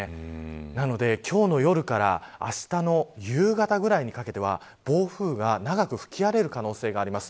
なので今日の夜からあしたの夕方ぐらいにかけては暴風が長く吹き荒れる可能性があります。